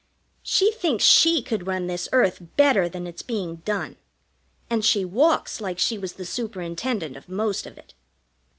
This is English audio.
She thinks she could run this earth better than it's being done, and she walks like she was the Superintendent of most of it.